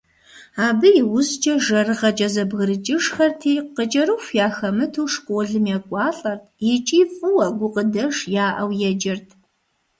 Абы иужькӏэ жэрыгъэкӏэ зэбгрыкӏыжхэрти, къыкӏэрыху яхэмыту, школым екӏуалӏэрт икӏи фӏыуэ, гукъыдэж яӏэу еджэрт.